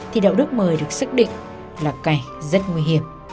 thì đậu đức mười được xác định là cải rất nguy hiểm